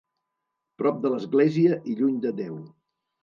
Prop de l'església i lluny de Déu.